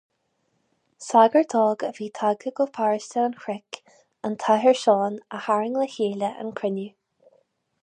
Sagart óg a bhí tagtha go paróiste an Chnoic, an tAthair Seán, a tharraing le chéile an cruinniú.